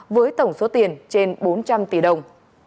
với tổng số tiền trên bốn trăm linh tỷ đồng